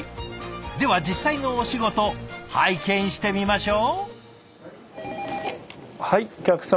では実際のお仕事拝見してみましょう。